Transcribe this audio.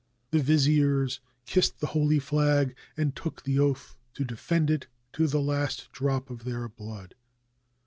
The viziers kissed the holy flag and took the oath to defend it to the last drop of their blood.